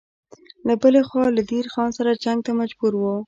له بلې خوا له دیر خان سره جنګ ته مجبور و.